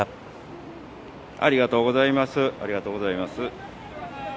ありがとうございます。